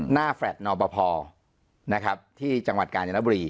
หน้าแฟรดนอปพอร์นะครับที่จังหวัดกาญญาณบุรี